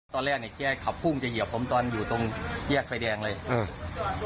ตอนแรกเนี้ยแกขับพุ่งจะเหยียบผมตอนอยู่ตรงแยกไฟแดงเลยอืม